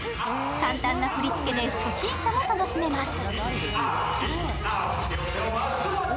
簡単な振り付けで初心者も楽しめます。